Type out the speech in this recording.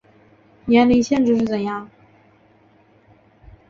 年龄限制是怎样